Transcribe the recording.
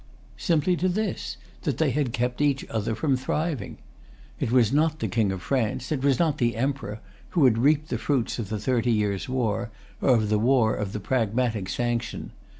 Simply to this, that they had kept each other from thriving. It was not the King of France, it was not the Emperor, who had reaped the fruits of the Thirty Years' War, or of the War of the Pragmatic Sanction.